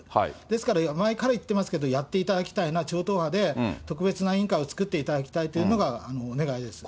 ですから前から言ってますけど、やっていただきたいな、超党派で、特別な委員会を作っていただきたいというのがお願いです。